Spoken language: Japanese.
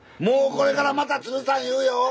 もうこれからまた鶴さん言うよ。